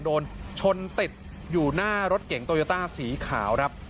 โดนชนติดอยู่หน้ารถเก่งโตโยต้าสีขาวครับ